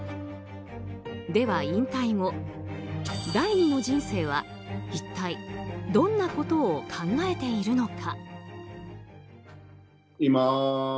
では引退後、第二の人生は一体どんなことを考えているのか。